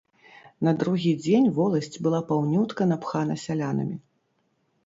На другі дзень воласць была паўнютка напхана сялянамі.